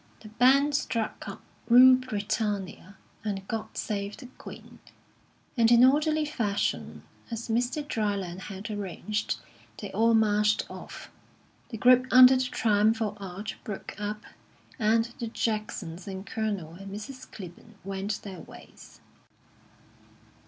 The band struck up "Rule, Britannia" and "God Save the Queen"; and in orderly fashion, as Mr. Dryland had arranged, they all marched off. The group under the triumphal arch broke up, and the Jacksons and Colonel and Mrs. Clibborn went their ways.